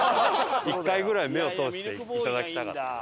１回ぐらい目を通していただきたかったな。